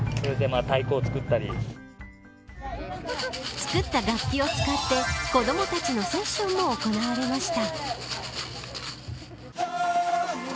作った楽器を使って子ども達とセッションも行われました。